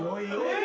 ・え！